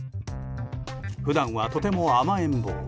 普段はとても甘えん坊。